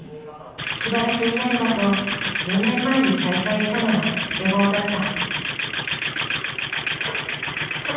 気晴らしになればと数年前に再開したのがスケボーだった。